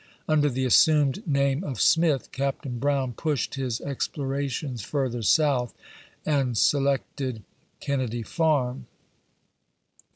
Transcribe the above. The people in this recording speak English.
Under the assumed name of Smith, Captain Brown pushed his explorations further south, and selected KENNEDY 9ABM.